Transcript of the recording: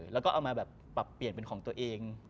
แล้วก็เอามาแบบปรับเปลี่ยนเป็นของตัวเอง